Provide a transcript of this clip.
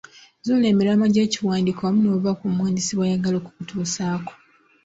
Zuula emiramwa gy'ekiwandiiko wamu n'obubaka omuwandiisi bw'ayagala okukutuusaako.